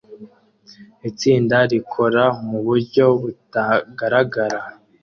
Itsinda rikora muburyo butagaragara